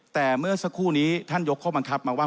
แต่เมื่อสักครู่นี้ท่านยกข้อบังคับมาว่า